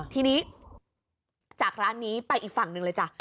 ทีนี้จากร้านนี้ไปอีกฝั่งหนึ่งเลยจ้ะ